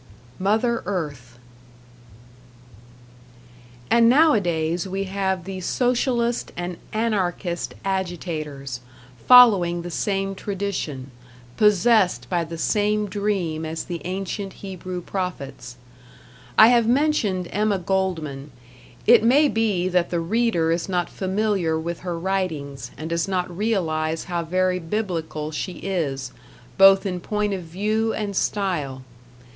#Mother Earth# And nowadays we have the Socialist and Anarchist agitators, following the same tradition, possessed by the same dream as the ancient Hebrew prophets. I have mentioned Emma Goldman; it may be that the reader is not familiar with her writings, and does not realize how very Biblical she is, both in point of view and style.